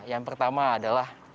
yang pertama adalah